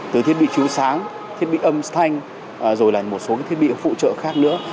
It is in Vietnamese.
từ thiết bị chiếu sáng thiết bị âm thanh rồi là một số cái thiết bị phụ trường